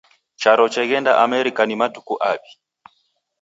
Charo cheghenda Amerika ni matuku aw'i